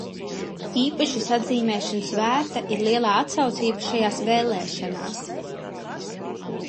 Īpašas atzīmēšanas vērta ir lielā atsaucība šajās vēlēšanās.